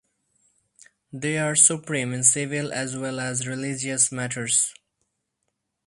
They are supreme in civil as well as religious matters.